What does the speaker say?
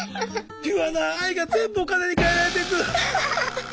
ピュアな愛が全部お金に換えられていく。